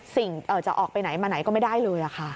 จะออกไปไหนมาไหนก็ไม่ได้เลยค่ะ